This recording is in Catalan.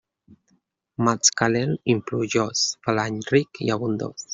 Maig calent i plujós fa l'any ric i abundós.